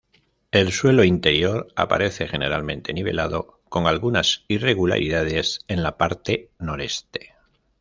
El suelo interior aparece generalmente nivelado, con algunas irregularidades en la parte noreste.